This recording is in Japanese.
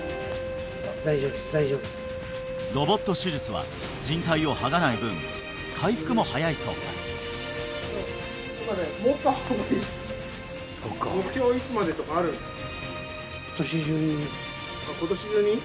ロボット手術はじん帯を剥がない分回復も早いそう目標いつまでとかあるんですか？